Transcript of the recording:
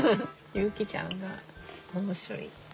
ゆきちゃんが面白い。